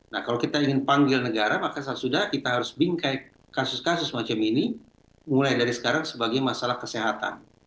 nah kalau kita ingin panggil negara maka sudah kita harus bingkai kasus kasus macam ini mulai dari sekarang sebagai masalah kesehatan